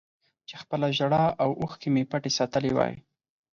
چې خپله ژړا او اوښکې مې پټې ساتلې وای